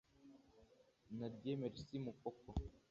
na Dieu Merci Mukoko